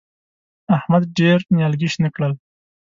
احمد ډېر نيالګي شنه کړل.